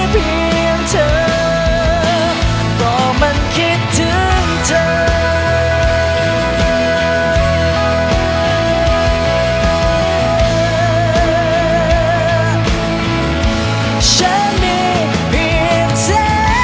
อบกอดเธอแทนฉันที